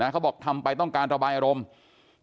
เขาบอกทำไปต้องการระบายอารมณ์